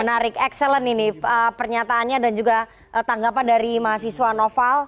menarik excellent ini pernyataannya dan juga tanggapan dari mahasiswa noval